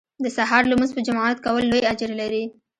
د سهار لمونځ په جماعت کول لوی اجر لري